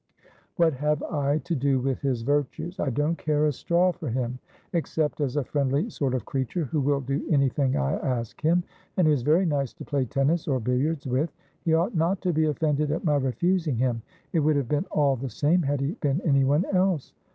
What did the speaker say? ' What have I to do with his virtues ? I don't care a straw for him, except as a friendly sort of creature who will do any thing I ask him, and who is very nice to play tennis or billiards with. He ought not to be offended at my refusing him. It would have been all the same had he been anyone else.